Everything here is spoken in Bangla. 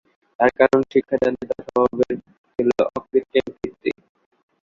তার কারণ শিক্ষাদানে তাঁর স্বভাবের ছিল অকৃত্রিম তৃপ্তি।